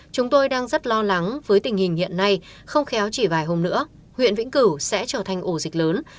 chúng tôi đang rất lo lắng với tình hình hiện nay không khéo chỉ vài hôm nữa huyện vĩnh cửu sẽ trở thành ổ dịch lớn